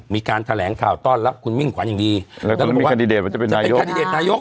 มีการแถลงข่าวต้อนรับคุณมิ่งขวัญอย่างดีเดตว่าจะเป็นนายกแคนดิเดตนายก